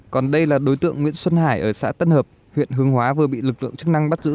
còn đây là đối tượng nguyễn xuân hải ở xã tân hợp huyện hương hóa vừa bị lực lượng chức năng bắt giữ